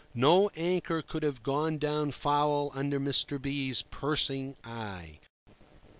No anchor could have gone down foul under Mr. B—'s piercing eye.